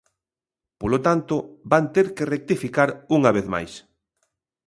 Polo tanto, van ter que rectificar unha vez máis.